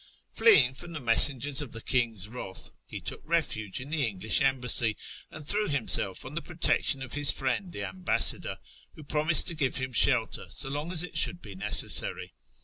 Fleeing from the messen gers of the King's wrath, he took refuge in the Englisli Embassy, and threw himself on the protection of his friend the Ambassador, who promised to give him shelter so long as it should be necessary.